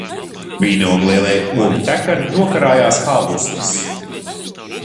Vīnogu lielie ogu ķekari nokarājās kā lustras.